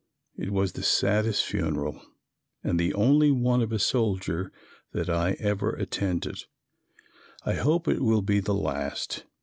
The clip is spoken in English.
It was the saddest funeral and the only one of a soldier that I ever attended. I hope it will be the last.